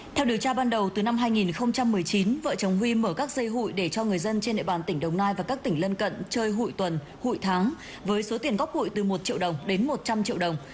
theo điều tra ban đầu từ năm hai nghìn một mươi chín vợ chồng huy mở các dây hụi để cho người dân trên địa bàn tỉnh đồng nai và các tỉnh lân cận chơi hụi tuần hụi tháng với số tiền góp hụi từ một triệu đồng đến một trăm linh triệu đồng